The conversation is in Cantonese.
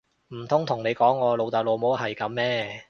唔通同你講我老豆老母係噉咩！